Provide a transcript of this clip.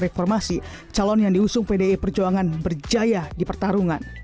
reformasi calon yang diusung pdi perjuangan berjaya di pertarungan